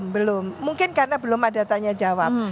belum mungkin karena belum ada tanya jawab